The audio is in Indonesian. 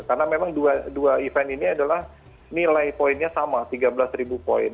karena memang dua event ini adalah nilai poinnya sama tiga belas poin